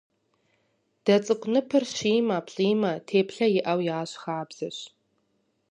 Дэ цӀыкӀу ныпыр щимэ, плӀимэ теплъэ иӏэу ящӀ хабзэщ.